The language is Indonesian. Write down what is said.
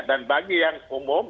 dan bagi yang umum